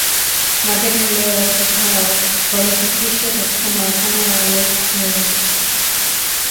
mapema leo watu hao walifikishwa katika mahakama ya west minister